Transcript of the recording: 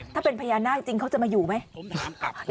ถ้าเป็นพญานาคจริงเขาจะมาอยู่ไหม